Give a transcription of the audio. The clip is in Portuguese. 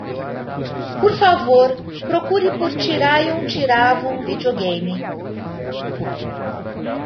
Por favor, procure por Thirayum Theeravum video game.